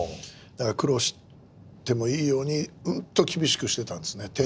だから苦労してもいいようにうんと厳しくしてたんですね。